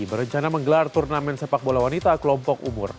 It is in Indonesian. berencana menggelar turnamen sepak bola wanita kelompok umur